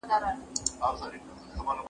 ماشينونه ستاسو له غږه زده کوي.